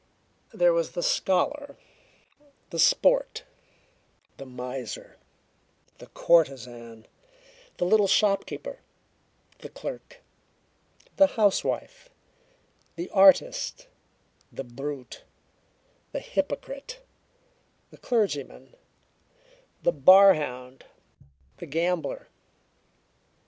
There was the scholar, the sport, the miser, the courtesan, the little shopkeeper, the clerk, the housewife, the artist, the brute, the hypocrite, the clergyman, the bar hound, the gambler.